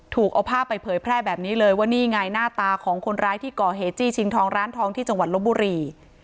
ถูกเอาภาพไปเผยแพร่แบบนี้เลยว่านี่ไงหน้าตาของคนร้ายที่ก่อเหตุจี้ชิงทองร้านทองที่จังหวัดลบบุรี